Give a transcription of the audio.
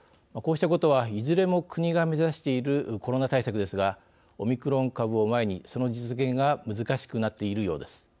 こうしたことはいずれも国が目指しているコロナ対策ですがオミクロン株を前にその実現が難しくなっているようです。